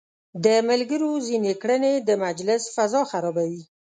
د ملګرو ځينې کړنې د مجلس فضا خرابوي.